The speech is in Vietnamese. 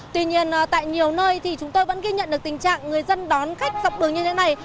tuy nhiên tại nhiều nơi thì chúng tôi vẫn ghi nhận được tình trạng người dân đón khách dọc đường như thế này